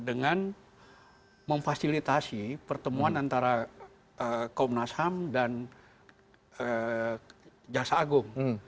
dan memfasilitasi pertemuan antara komnas ham dan jaksa agung